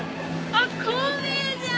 あっ孔明じゃん！